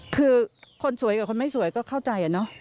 คือคนสวยกับคนไม่สวยก็เข้าใจเนอะ